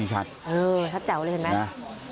ชัดแจ๋วเลยเห็นไหม